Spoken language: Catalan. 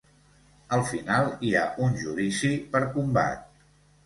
Al final, hi ha un judici per combat.